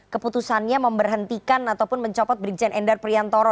keputusannya memberhentikan ataupun mencopot brigjen endar priantoro